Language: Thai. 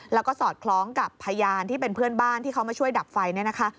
แล้วก็สอดคล้องกับพยานที่เป็นเพื่อนบ้านที่เขามาช่วยดับไฟเนี่ยนะคะ